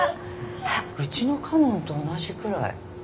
うちの佳音と同じくらい。